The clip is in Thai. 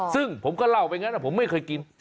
ซึ่งผมก็เล่าไปงั้นผมไม่เคยกิน